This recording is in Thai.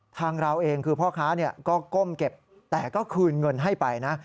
ทางเราเองคือพ่อค้าก็ก้มเก็บแต่ก็คืนเงินให้ไปนะ